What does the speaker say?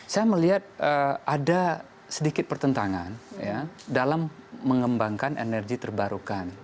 saya melihat ada sedikit pertentangan dalam mengembangkan energi terbarukan